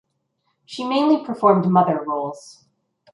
She mainly performed mother roles.